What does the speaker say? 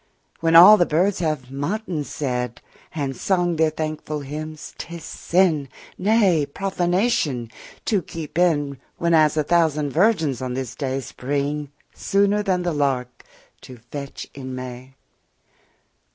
When all the birds have matins said 10 And sung their thankful hymns, 'tis sin, Nay, profanation, to keep in, Whereas a thousand virgins on this day Spring sooner than the lark, to fetch in May.